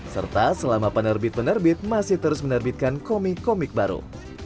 serta selama penerbit penerbit masih terus menerbitkan komik komik baru